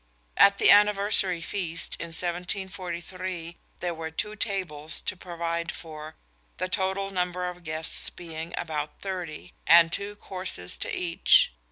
At the anniversary feast in 1743 there were two tables to provide for, the total number of guests being about thirty, and two "corses" to each.